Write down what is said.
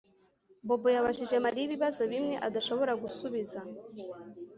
Bobo yabajije Mariya ibibazo bimwe adashobora gusubiza